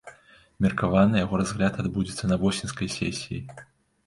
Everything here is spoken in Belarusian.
Меркавана яго разгляд адбудзецца на восеньскай сесіі.